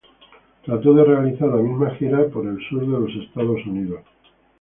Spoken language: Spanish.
Trató de realizar la misma gira en el sur de los Estados Unidos.